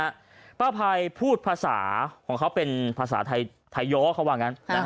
เมื่อป้ายพูดภาษาเขาเป็นภาษาไทย้อห์ฮะว่างั้น